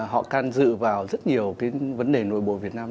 họ can dự vào rất nhiều cái vấn đề nội bộ việt nam